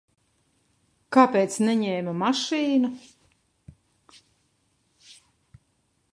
Kāpēc neņēma mašīnu?